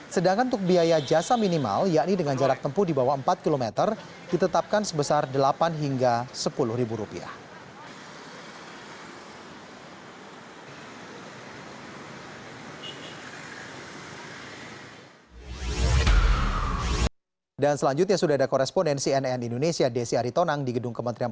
sedangkan untuk biaya jasa minimal yakni dengan jarak tempuh di bawah empat kilometer ditetapkan sebesar rp delapan rp sepuluh